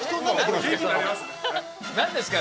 何ですか？